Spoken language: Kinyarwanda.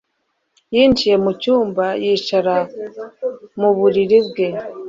Yinjiye mu cyumba yicara mu buriri bwe